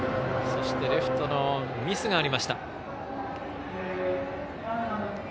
そしてレフトのミスがありました。